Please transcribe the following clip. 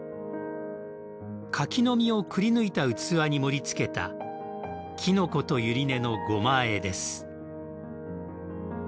柿の実をくりぬいた器に盛りつけたきのことゆり根のごま和えです。